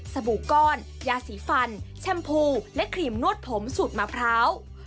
บู่ก้อนยาสีฟันแชมพูและครีมนวดผมสูตรมะพร้าว